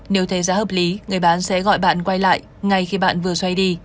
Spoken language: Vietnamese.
nếu thấy giá hợp lý người bán sẽ gọi bạn quay lại ngay khi bạn vừa xoay đi